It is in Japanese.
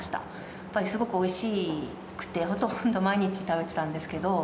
やっぱりすごくおいしくて、ほとんど毎日食べてたんですけど。